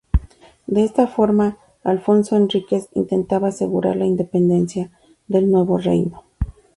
De esta forma Alfonso Henriques intentaba asegurar la independencia del nuevo reino.